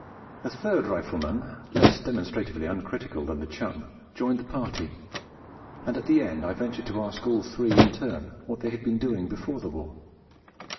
A third Rifleman, less demonstratively uncritical than the chum, joined the party; and at the end I ventured to ask all three in turn what they had been doing before the war.